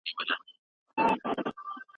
ایا ستا مقاله د بیاکتني په وروستي پړاو کي ده؟